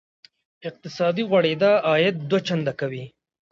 اقتصادي غوړېدا عاید دوه چنده کوي.